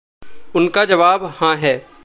उनका जवाब "हाँ" है।